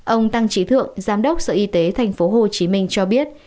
ông tăng trí thượng giám đốc sở y tế tp hcm cho biết